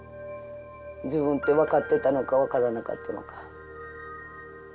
自分って分かってたのか分からなかったのか。